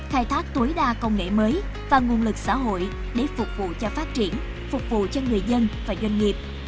khai thác tối đa công nghệ mới và nguồn lực xã hội để phục vụ cho phát triển phục vụ cho người dân và doanh nghiệp